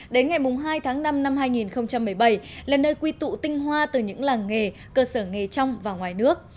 đến ngày hai tháng năm năm hai nghìn một mươi bảy là nơi quy tụ tinh hoa từ những làng nghề cơ sở nghề trong và ngoài nước